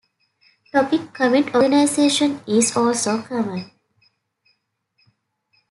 Topic-comment organization is also common.